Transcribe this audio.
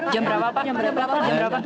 jam berapa pak